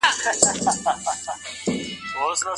د ميرمني کرامت بايد خوندي وساتل سي.